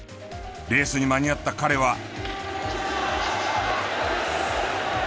レースに間に合った彼は。